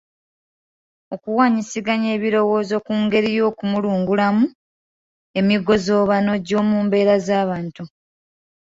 Okuwaanyisiganya ebirowoozo ku ngeri y’okumulungulamu emigozoobano gy’omu mbeerabantu